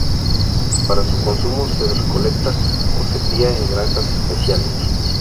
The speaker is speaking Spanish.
Para su consumo, se recolecta o se cría en granjas especiales.